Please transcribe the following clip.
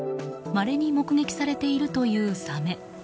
まれに目撃されているというサメ。